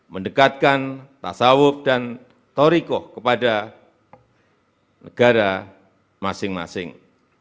mendekatkan tasawuf dan torikoh kepada negara masing masing